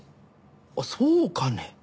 あっそうかね？